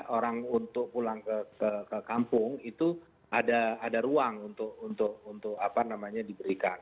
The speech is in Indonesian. orang untuk pulang ke kampung itu ada ruang untuk diberikan